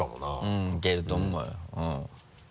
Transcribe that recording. うんいけると思うよ。